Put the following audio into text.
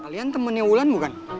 kalian temennya wulan bukan